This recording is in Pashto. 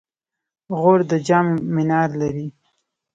غور د جام منار لري